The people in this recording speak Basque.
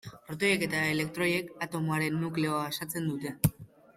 Protoiek eta elektroiek atomoaren nukleoa osatzen dute.